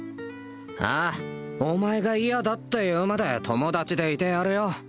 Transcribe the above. ああお前が嫌だって言うまで友達でいてやるよ